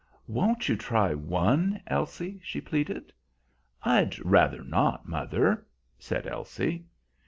"Won't you try one, Elsie?" she pleaded. "I'd rather not, mother," said Elsie.